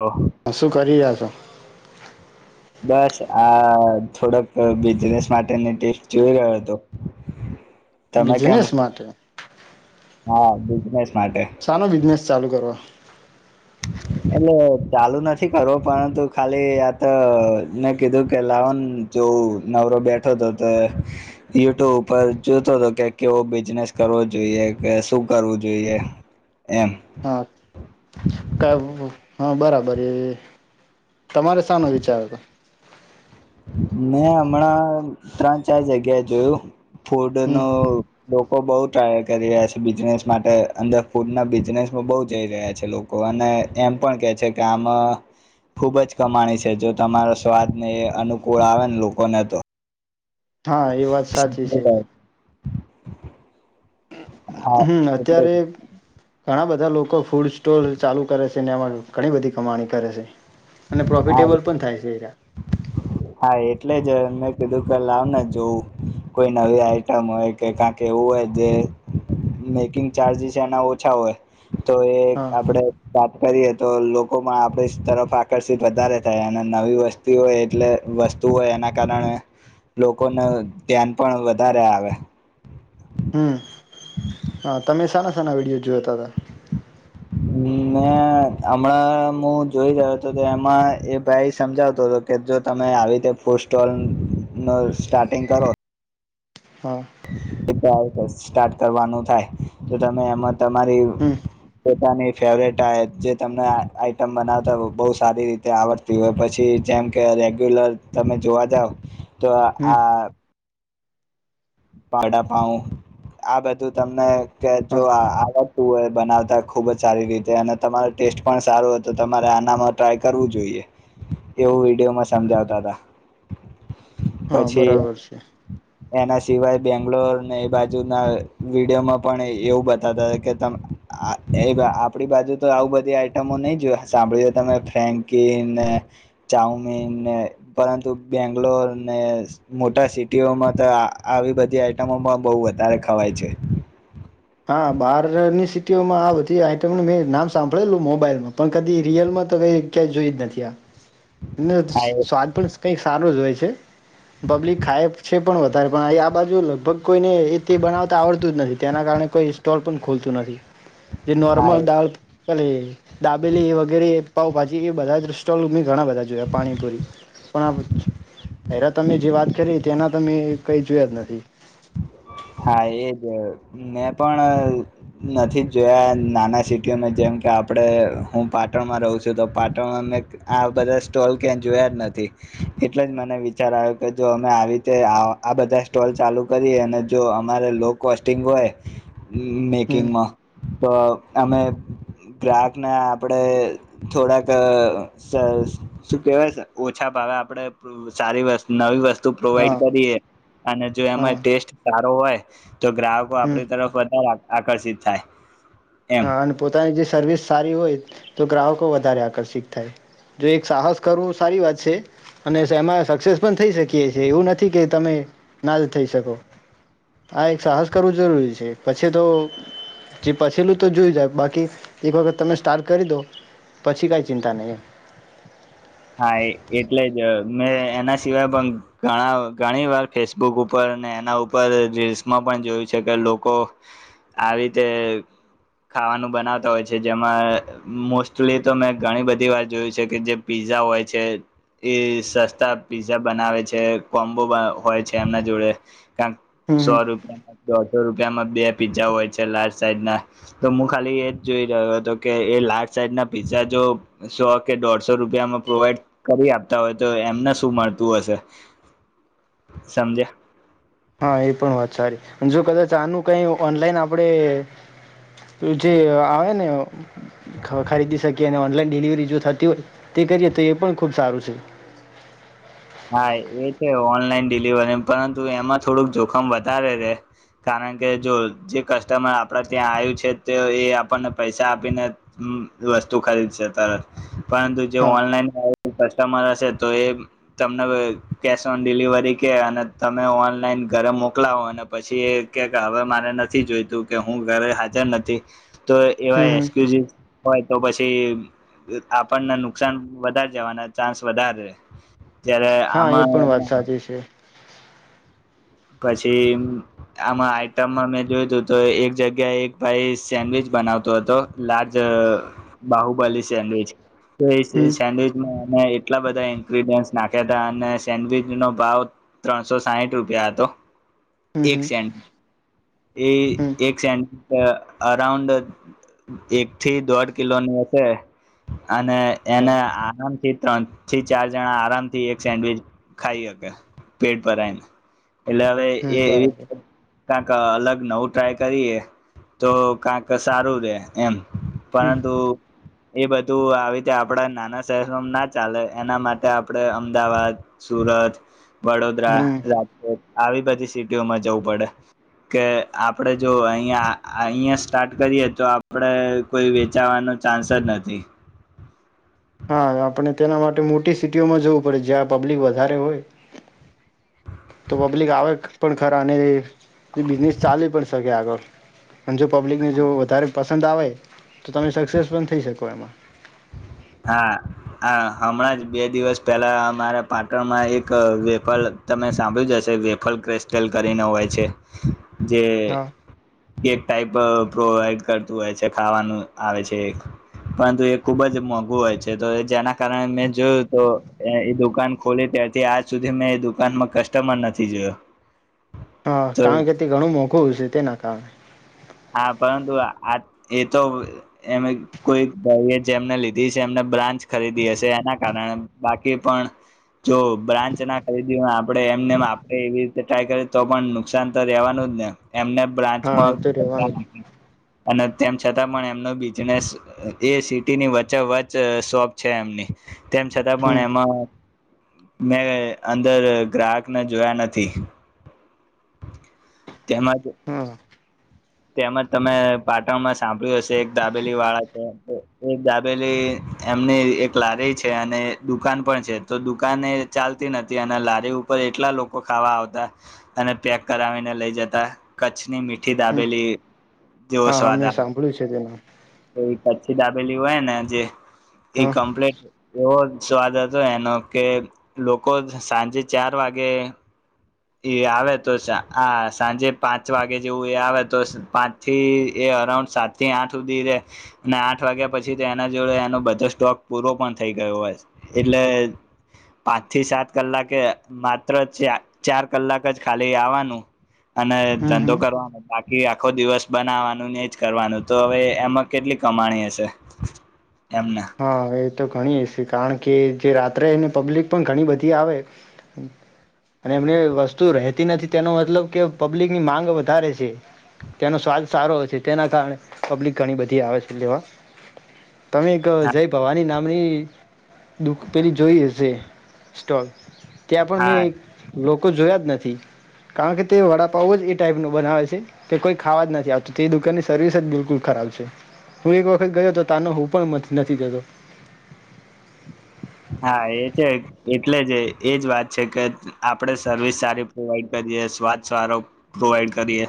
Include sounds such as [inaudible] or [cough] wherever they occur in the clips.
ઓ શું કરી રહ્યા છો બસ આ થોડક બિઝનેસ માટેની ટીપ્સ જોઈ રહ્યો હતો તમે કેમ બિઝનેસ છો? માટે હા બિઝનેસ માટે સનો બિઝનેસ ચાલુ કરવા એટલે ચાલુ નથી કરવો પરંતુ ખાલી આ તો મેને કીધું કે લાવન જો નવરો બેઠો હતો તો યુટ્યુબ ઉપર જોતો હતો કે કેવો બિઝનેસ કરવો જોઈએ કે શું કરવું જોઈએ એમ હા ક હા બરાબર એ તમારે સાનો વિચાર હતો મેં હમણાં ત્રણ ચાર જગ્યાએ જોયું હમ ફુડનો લો લોકો બો ટ્રાયલ કરી રહ્યા છે બિઝનેસ માટે અંદર ફૂડના બિઝનેસમાં બો જઈ રહ્યા છે લોકો અને એમ પણ કે છે કે આમાં ખુબ જ કમાણી છે જો તમારો સ્વાદ ને એ અનુ કુળ આવે ને લોકોને તો હા એ વાત સાચી છે હા હમ એટલે અત્યારે ઘણા બધા લોકો ફૂડ સ્ટોર ચાલુ કરે છે ને એમાં ઘણી બધી કમાણી કરે છે અને પ્રોફિટેબલ પણ થાય છે એરા હા એટલે જ મેમે કીધું કે લાવને જોવું કોઈ નવી આઈટમ હોય કે કા કેવું હોય જે મેકિંગ ચાર્જીસ એના ઓછા હોય તો એક હા આપડે વાત કરી હ તો લોકોમાં આપણી તરફ આકર્ષિત વધારે થાય અને નવી વસ્તી હોય એટલે વસ્તુ હોય એના કારણે લોકોને ધ્યાન પણ વધારે આવે હમ હા તમે સાના સાના વિડીયો જોતા હતા હ મે હમણાં હું જોઈ રહ્યો હતો તો એમાં એ ભાઈ સમજાવતો હતો કે જો તમે આવી રીતે ફૂડ સ્ટોલ નો સ્ટાર્ટિંગ કરો હા સ્ટાર્ટ કરવાનું થાય તો તમે એમાં તમારી હમ પોતાની ફેવરેટ જે તમને આઈટમ બનાવતા બો સારી રીતે આવડતી હોય પછી જેમ કે રેગ્યુલર તમે જોવા જાવ તો હમ આ પડા પાઉ આ બધું તમને કે જો હા આ આ બનાવતા ખુબ જ સારી રીતે અને તમારો ટેસ્ટ પણ સારો હતો તમારે આનામાં ટ્રાય કરવું જોઈએ એવું વિડીયોમાં સમજાવતા હતા હા પછી બરાબર છે એના સિવાય બેંગ્લોરને એ બાજુના વિડીયોમાં પણ એવું બતાવતા હતા કે તમ આ એ આપડી બાજુ તો આવું બધી આઈટમો નહીં જોય સાંભળી હોય તમે ફ્રેન્કીિનને ચાઉમીન ને પરંતુ બેંગ્લોર ને મોટા સિટીઓમાં તો આ આવી બધી આઈટમોમાં બહુ વધારે ખવાય છે હા બહારની સિટીઓમાં આ બધી આઈટમનું મેં નામ સાંભળેલું મોબાઈલમાં પણ કદી રિયલમાં તો કઈ ક્યાંય જોય જ નથી આ ના હા એ સ્વાદ પણ કઈક સારો જ હોય છે ખાય છે પબ્લિક ખાય છે પણ વધાર પણ અહીં આ બાજુ લગભગ કોઈને એ તે બનાવતા આવડતું જ નથી તેના કારણે કોઈ સ્ટોલ પણ ખોલતું નથી જે હા નોર્મલ એ ડાલ પલે દાબેલી વગેરે પાઉભાજી એ બધા જ સ્ટોલ મે ઘણા બધા જોયા પાણીપુરી પણ હેરા તમે જે વાત કરી તેના તો મે કઈ જોયા જ નથી હા એજ મેં પણ નથી જ જોયા નાના સિટીઓમાં જેમ કે આપડે હું પાટણમાં રહું છું તો પાટણમાં મે આ બધા સ્ટોલ ક્યાં જોયા જ નથી એટલે જ મને વિચાર આવ્યો કે જો અમે આવી રીતે આ બધા સ્ટોલ ચાલુ કરીએ અને જો અમારે લો કોસ્ટિંગ હોય હમ મેકિંગમાં તો અમે ગ્રાહકને આપડે થોડાક શું કેહેવાય ઓછા ભાવે આપડે સારી વસ્ત નવી વસ્તુ તું પ્રોવાઈડ હા કરીએ અને જો હા એમાં ટેસ્ટ સારો હોય તો ગ્રાહકો હમ આપડી તરફ વધારે આકર્ષિત થાય એમ હા અને પોતાની જે સર્વિસ સારી હોય તો ગ્રાહકો વધારે આકર્ષિત થાય જો એક સાહસ કરવું સારી વાત છે અને એમાં સક્સેસ પણ થઈ શકીએ છીએ એવું નથી કે તમે ના જ થઈ શકો આ એક સાહસ કરવું જરૂરી છે પછી તો જે પછીલું તો જોઈ જાય બાકી એક વખત તમે સ્ટાર્ટ કરી દો પછી કઈ ચિંતા નહી હા એ એટલે જ મેં એના સિવાય પણ ઘણા ઘણી વાર ફેસબુક ઉપર અને એના ઉપર રીલ્સમાં પણ જોયું છે કે લોકો આવી રીતે ખાવાનું બનાવતા હોય છે જેમાં મોસ્ટલી તો મેં ઘણી બધી વાર જોયું છે કે જે પીઝા હોય છે એ સસ્તા પીઝા બનાવે છે કોમ્બો બ હોય છે એમના જોડે કાક હમ સો હમ રૂપિયામાં દોડ સો રૂપિયામાં બે પિઝ્ઝા હોય છે લાર્જ સાઈઝ ના તો હું ખાલી એજ જોઈ રહ્યો હતો કે એ લાર્જ સાઈઝ ના પીઝ્ઝા જો સો કે દોઢસો સો રૂપિયામાં પ્રોવાઈડ કરી આપતા હોય તો એમને શું મળતું હશે સમજ્યા હા એ પણ વાત સારી જો કદાચ આનું કઈ ઓનલાઈન આપડે જે આવે ને ખરીદી શકીએ અને ઓનલાઈન ડિલિવરી જો થતી હોય તે કરીએ તો એ પણ ખુબ સારું છે હા એ છે ઓનલાઈન ડિલિવરી પરંતુ એમાં થોડુંક જોખમ વધારે છે કારણ કે જો જે કસ્ટમર આપડા ત્યાં આયું છે તો એ આપણને પૈસા આપીને વસ્તુ ખરીદશે તરત પરંતુ જે હા ઓનલાઈન આવે તમારા છે તો એ તમને કેશ ઓન ડિલિવરી કે અને તમે ઓનલાઈન ઘરે મોકલાવો અને પછી એ કે હવ મારે નથી જોઈતું કે હું ઘરે હાજર નથી તો એવા હમ હમ એસક્યુસીસ હોય તો પછી આપણને નુકસાન વધારે જવાના ચાન્સ વધાર રે જ્યારે હા એ આમાં પણ વાત સાચી છે પછી આમાં આઈટમમાં મેં જોયુ તું તો એક જગ્યા એક ભાઈ સેન્ડવીચ બનાવતો હતો લાર્જ બાહુબલી સેન્ડવીચ હમ સેન્ડવીચમાં આટલા બધા ઇન્ગ્રીડિયન્ટસ નાખ્યા હતા અને સેન્ડવીચ નો ભાવ ત્રણસો સાહીઠ રૂપિયા હતા કતો હમ એક હમ સેન્ડવી હમ એ એક સેન્ડવી અરાઉન્ડ એક થી દોઢ કિલોની હશે અને હા એને આરામ થી ત્રણ થી ચાર જણા આરામથી એક સેન્ડવીચ ખાઈ શકે પેટ પરને [inaudible] હમ એવી બરાબર ક્યાક અલગ નવું ટ્રાય કરીએ તો કાંક સારું રે એમ હમ પરંતુ એ બધું તું આવી રીતે આપડા નાના શહેરરોમ ના ચાલે એના માટે આપણે અમદાવાદ સુરત વડોદરા હમ રાજકોટ આવી બધી સિટીઓમાં જવું પડે કે આપડે જો અહ અહંયા સ્ટાર્ટ કરીએ તો આપડે કોઈ વેચાવાનો ચાન્સ જ નથી હા આપણે તેના માટે મોટી સિટીઓમાં જવું પડે જ્યાં પબ્લિક વધારે હોય તો પબ્લિક આવે પણ ખરા અને બિઝનેસ ચાલી પણ શકે આગળ જો પબ્લિકને જો વધારે પંદ આવે તો તમે સક્સેસ પણ થઈ શકો એમાં હા હા હમણાં જ બે દિવસ પહેલા અમારા પાટણમાં એક વેફલ તમે સાંભળ્યું જ હશે વેફલ કસ્લ કરીને હોય છે જે હા કેક ટાઈપ પ્રોવાઈડ કરતું હોય છે ખાવાનું આવે છે પરંતુ એ ખુબ જ મોંઘું હોય છે તો જેના કારણે મેં જોયું તો એ દુકાન ખોલી ત્યારથી આજ સુધી મેં એ દુકાનમાં કસ્ટમર નથી જોયો હા તો કારણ કે તે ઘણું મોંઘું છે તે નાખ [inaudible] હા પરંતુ એ તો એ કોઈ જેમને લીધી છે એમને બ્રાન્ચ ખરીદી હશે એના કારણે બાકી કે પણ જો બ્રાન્ચ ના ખરીદી આપણે એમને આપણે એવી રીતે ટ્રાય કરીએ તો પણ નુકસાન તો રેવાનું જ ને એમને બ્રાન્ચમાં [inaudible] અને તેમ છતાં પણ એમનો બિઝનેસ એ સિટીની વચ્ચે વચ શોખ છે એમની તેમ છતાં પણ હમ એમાં મેં અંદર ગ્રાહકને જોયા નથી તેમાં જ હા તેમજ તમે પાટણમાં સાંભળ્યું હશે એક દાબેલી વાળા છે એક દાબેલી એમની એક લારી છે અને દુકાન પણ છે તો દુકાન એ ચાલતી નથી અને લારી ઉપર એટલા લોકો ખાવા આવતા અને પેક કરાવીને લઈ જતા કચ્છની મીઠી દા હમ હા મેં સાંભળ્યું છે તેનું એ કચ્છી દાબેલી હોય ને જે એ હા કમ્પ્લેટ એવો સ્વાદ હતો એનો કે લોકો સાંજે ચાર વાગે એ આવે તો આ સાંજે પાંચ વાગે જેવું એ આવે તો પાંચ થી એ અરાઉન્ડ સાત થી આઠ સુધી રે અને આઠ વાગ્યા પછી તો એના જોડે એનો બધો સ્ટોક પૂરો પણ થઈ ગયો હોય એટલે પાંચ થી સાત કલાકે માત્ર ચાર કલાક જ ખાલી આવવાનું. અને હમ ધંધો હમ કરવાનો બાકી. આખો દિવસ બનાવવાનું ને જ કરવાનું તો હવે એમાં કેટલી કમાણી હશે. એમને હા એ. તો ગણી હ છે કારણ કે જે રાત્રેને પબ્લિક પણ ઘણી બધી આવે અને એમને વસ્તુ રહેતી નથી તેનો મતલબ કે પબ્લિક ની માંગ વધારે છે તેનો સ્વાદ સારો છે તેના કારણે પબ્લિક ઘણી બધી આવે છે લેવા તમે જય ભવાની નામ દુ પેલી જોઈશે સ્ટોલ ત્યા પણ મેં હા લોક લોકો જોયા જ નથી કારણ કે તે વડાપાઉ જ એ ટાઈપનો બનાવે છે કે કોઈ ખાવા જ નથી આવતું તે દુકાનની સર્વિસ જ બિલકુલ ખરાબ છે હું એક વખત ગયો તો તાનો હું પણ મ નથી દતો. હા એ છે એટલે જ એજ વાત છે કે આપણેે સર્વિસ સારી પ્રોવાઈડ કરીએ સ્વાદ સારો પ્રોવાઈડ કરીએ.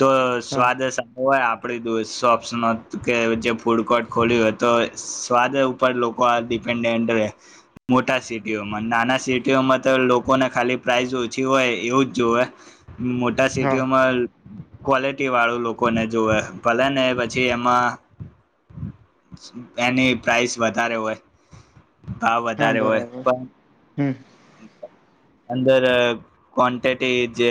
તો હા સ્વાદ સારો હોય આપડી દ સોફ્ટ ઓ્શન હતું કે જે ફૂડ કોર્ટ ખોલ્યું હોય તો સ્વાદ ઉપર લોકો આ ડિપેન્ડન્ટ મોટા સિટીઓમાં નાના સિટીઓમાં તો લોકોને ખાલી પ્રાઇઝ ઓછી હોય એવું જ જોવે. મોટા હા સિટીઓમાં ક્વલિટી વાળું લોકોને જોવે ભલે ને પછી એમાં એની પ્રાઇસ વધારે હોય. ભાવ હા વધારે હોય બરાબર પણ. હમ અંદર કવોનટીટી જે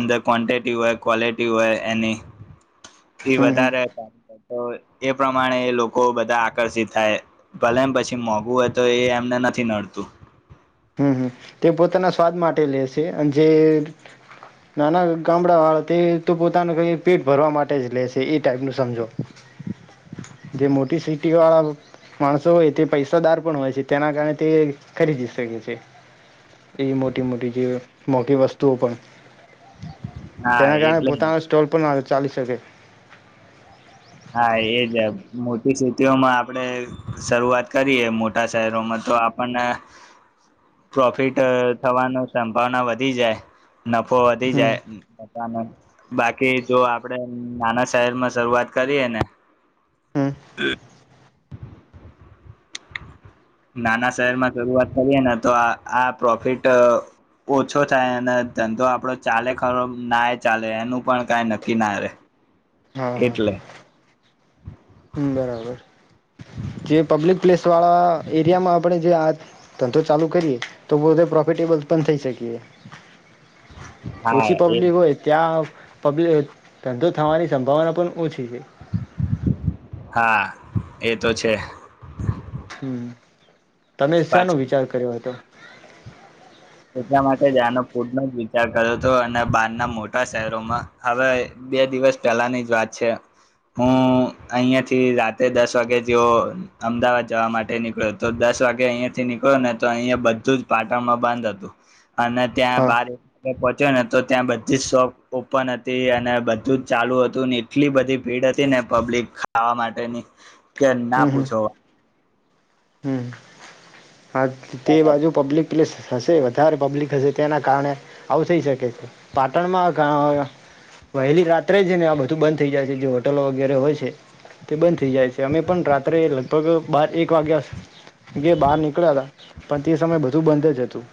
અંદર ક્વૉનટીટી હોય ક્વૉલિટી હોય એની એ હમ હમ વધારે [unintelligible] તો એ પ્રમાણે એ લોકો બધા આકર્ષિત થાય ભલે એમ પછી મોંઘું હોય તો એ એમને નથી નડતું. હમમ, તે પોતાના સ્વાદ માટે લે છે અને જે નાના ગામડા વાળા તે તો પોતાનું પેટ ભરવા માટે જ લે છે એ ટાઈપનું સમજો જે મોટી સિટી વાળા માણસો હોય તે પૈસાદાર પણ હોય છે તેના કારણે તે ખરીદી શકે. એ મોટી મોટી જે મોખી વસ્તુઓ પણ. હા તેના કારણે એટલે પોતાનો સ્ટોલ પણ ચાલી શકે. હા, એજ મોટી સિટીઓમાં આપણેે શરૂઆત કરીએ મોટા શહેરોમાં તો આપણને પ્રોફિટ થવાનો સંભાવના વધી જાય. નફો વધી હમ જાય બધાને બાકી જો આપડે નાના શહેરમાં શરૂઆત કરી એ ને [inaudible] હમ નાના શહેરમાં શરૂઆત કરીએ ને તો આ આ પ્રોફિટ ઓછો થાય અને ધંધો આપણો ચાલે ખરો ના પણ ચાલે એનું પણ કઈ નક્કી ના રે. હા હા. એટલે હ બરાબર. જે પબ્લિક પ્લેસવાળા એરિયામાં આપણે જે આ ધંધો ચાલુ કરીએ તો પોતે પ્રોફિટેબલ પણ થઈ શકીએ. હા ઓછી એ પબ્લિક હોય ત્યાં ધંધો થવાની સંભાવના પણ ઓછી છે. હા, એ તો છે. [inaudible] તમે શાનો પાછું વિચાર કર્યો હતો એટલા માટે જાનો ફૂડનો જ વિચાર કર્યો હતો અને બહારના મોટા શહેરોમાં હવે બે દિવસ પહેલાની જ વાત છે હું અહીિયાંયાથી રાતે દસ વાગે જેવ અમદાવાદ જવા માટે નીકળ્યો તો દસ વાગે અહીિયાયાથી નીકળ્યો ને તો અહીંયા બધું જ પાટણમાં બંધ હતું. [inaudible] અને ત્યાં હા બાર પહોંચ્યો ને તો ત્યાં બધી જ સોપ ઓપન હતી અને બધું જ ચાલુ હતું એટલી બધી ભીડ હતી ને પબ્લિક ખાવા માટેની કે ના હમ હમ પૂછવાવા હમ હા તે બાજુ પબ્લિક એટલે હશે વધારે પબ્લિક હશે તેના કારણે આવું થઈ શકે છે પાટણમાં વહેલી રાત્રે જ ને આ બધું બંધ થઈ જાય છે જે હોટલો વગેરે હોય છે તે બંધ થઈ જાય છે અમે પણ રાત્રે લગભગ બાર એક વાગ્યાગ બહાર નીકળ પકડાતા પણ તે સમય બધું બંધ જ હતું.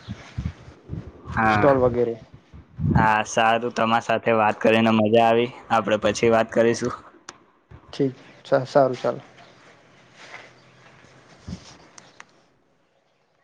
હા સ્ટોલ વગેરે હા સાધું તમારા સાથે વાત કરીને મજા આવી આપડે પછી વાત કરીશું. ઠીક સારું ચાલ.